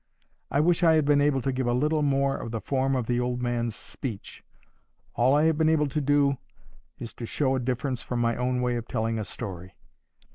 I wish I had been able to give a little more of the form of the old man's speech; all I have been able to do is to show a difference from my own way of telling a story.